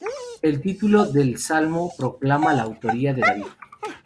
El título del salmo proclama la autoría de David.